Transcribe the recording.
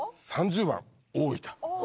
３０番大分。